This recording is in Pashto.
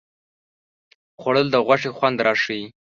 خوړل د غوښې خوند راښيي